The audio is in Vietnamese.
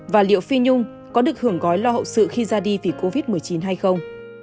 và liệu phi nhung có được hưởng gói lo hậu sự khi ra đi vì covid một mươi chín hay không